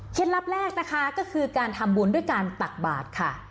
ลับแรกนะคะก็คือการทำบุญด้วยการตักบาทค่ะ